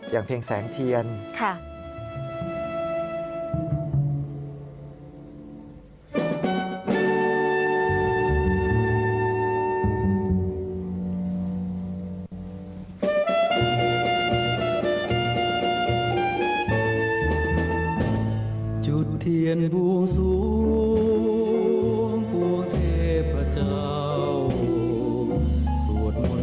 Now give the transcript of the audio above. อย่างเพลงแสงเทียน